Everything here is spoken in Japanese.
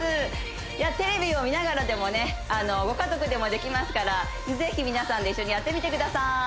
テレビを見ながらでもご家族でもできますからぜひ皆さんで一緒にやってみてください